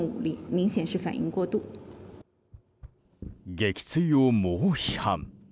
撃墜を猛批判。